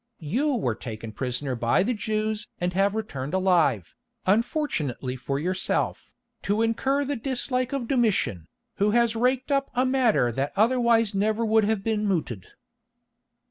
You were taken prisoner by the Jews and have returned alive, unfortunately for yourself, to incur the dislike of Domitian, who has raked up a matter that otherwise never would have been mooted."